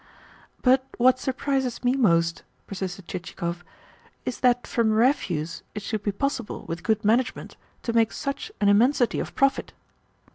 "But what surprises me most," persisted Chichikov, "is that from refuse it should be possible, with good management, to make such an immensity of profit."